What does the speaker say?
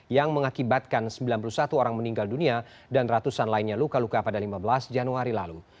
yang mengakibatkan sembilan puluh satu orang meninggal dunia dan ratusan lainnya luka luka pada lima belas januari lalu